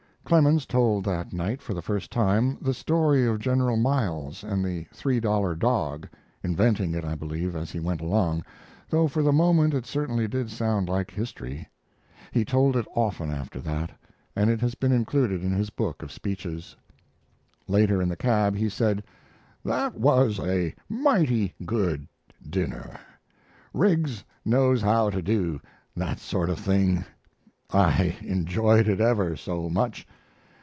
Clemens told that night, for the first time, the story of General Miles and the three dollar dog, inventing it, I believe, as he went along, though for the moment it certainly did sound like history. He told it often after that, and it has been included in his book of speeches. Later, in the cab, he said: "That was a mighty good dinner. Riggs knows how to do that sort of thing. I enjoyed it ever so much.